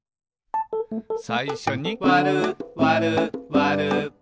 「さいしょにわるわるわる」